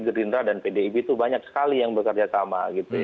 gerindra dan pdip itu banyak sekali yang bekerja sama